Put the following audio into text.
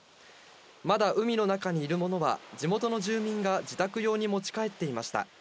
まだ海の中にいるものは、地元の住民が自宅用に持ち帰っていました。